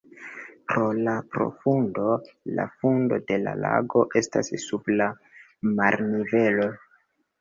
Pro la profundo la fundo de la lago estas sub la marnivelo.